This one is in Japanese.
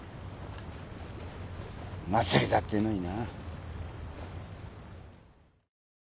祭りだってのにな。